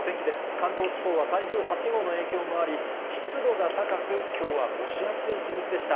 関東地方は台風８号の影響もあり、湿度が高く、きょうは蒸し暑い一日でした。